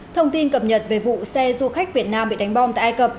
thông tin cập nhật về vụ xe du khách việt nam bị đánh bom tại ai cập